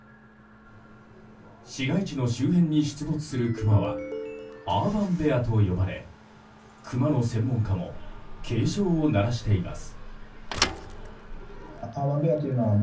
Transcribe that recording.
市街地の周辺に出没するクマはアーバン・ベアと呼ばれクマの専門家も警鐘を鳴らしています。